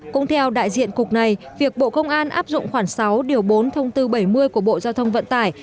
cũng theo đại diện cục này việc bộ công an áp dụng khoảng sáu bốn bốn trăm bảy mươi của bộ giao thông vận tải